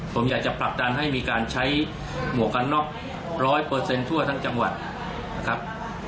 ผมอยากจะปรับดันให้มีการใช้หมวกกะน็อกร้อยเปอร์เซ็นต์ทั่วทั้งจังหวัดนะครับ